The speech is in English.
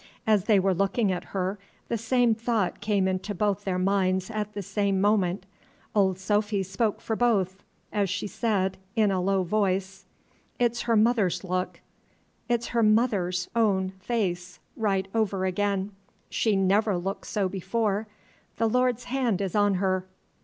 As they were looking at her, the same thought came into both their minds at the same moment. Old Sophy spoke for both, as she said, in a low voice, "It 's her mother's look, it 's her mother's own face right over again, she never look' so before, the Lord's hand is on her!